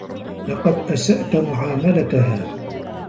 لقد أسأت معاملتها.